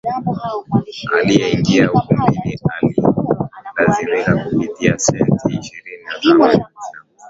aliyeingia ukumbini alilazimika kulipia senti ishirini na tano kwa jinsia ya kike na senti